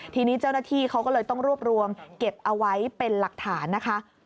ทีนี้เจ้าหน้าที่เขาก็เลยต้องรวบรวมเก็บเอาไว้เป็นหลักฐานนะคะ